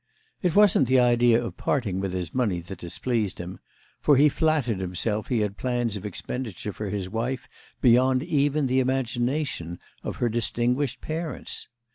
It wasn't the idea of parting with his money that displeased him, for he flattered himself he had plans of expenditure for his wife beyond even the imagination of her distinguished parents.